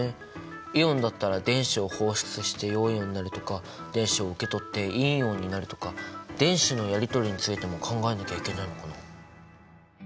イオンだったら電子を放出して陽イオンになるとか電子を受け取って陰イオンになるとか電子のやり取りについても考えなきゃいけないのかな？